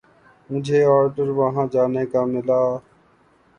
مجھے آرڈر وہاں جانے کا ملا۔